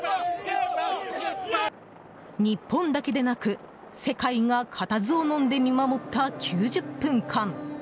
日本だけでなく世界が固唾をのんで見守った９０分間。